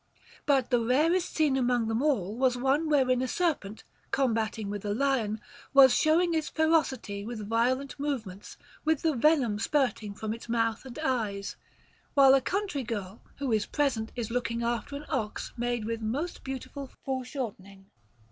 But the rarest scene among them all was one wherein a serpent, combating with a lion, was showing its ferocity with violent movements, with the venom spurting from its mouth and eyes, while a country girl who is present is looking after an ox made with most beautiful foreshortening.